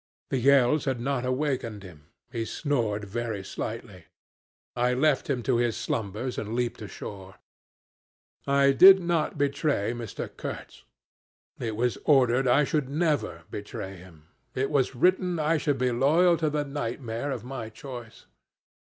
The yells had not awakened him; he snored very slightly; I left him to his slumbers and leaped ashore. I did not betray Mr. Kurtz it was ordered I should never betray him it was written I should be loyal to the nightmare of my choice.